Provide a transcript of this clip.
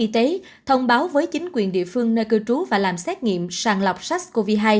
thông báo với chính quyền địa phương nơi cư trú và làm xét nghiệm sàng lọc sars cov hai